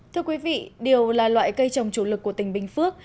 thưa quý vị điều là loại cây trồng chủ lực của tỉnh bình phước